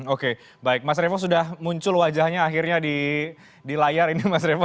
oke baik mas revo sudah muncul wajahnya akhirnya di layar ini mas revo